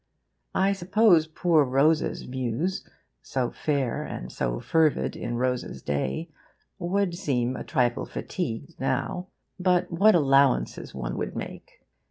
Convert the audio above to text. I suppose poor Rosa's muse, so fair and so fervid in Rosa's day, would seem a trifle fatigued now; but what allowances one would make!